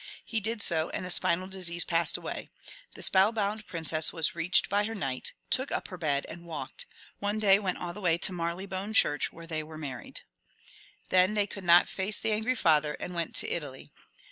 He did so, and the spinal disease passed away ; the spell bound princess was reached by her knight ; took up her bed and walked ; one day went all the way to Marylebone church, where they were married. Then they could not face the angry father, and went to Italy.